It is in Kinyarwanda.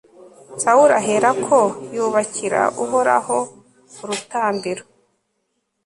sawuli aherako yubakira uhoraho urutambiro